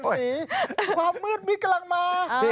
กลับสีความมืดมิดกำลังมา